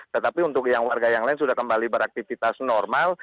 tetapi untuk yang warga yang lain sudah kembali beraktivitas normal